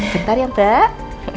bentar ya mbak